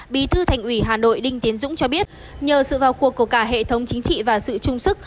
bí thư thành ủy hà nội đinh tiến dũng cho biết nhờ sự vào cuộc của cả hệ thống chính trị và sự trung sức